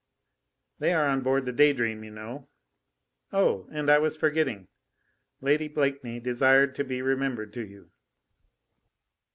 They are on board the Day Dream, you know. Oh! and I was forgetting! Lady Blakeney desired to be remembered to you."